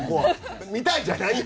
見たいじゃないよ。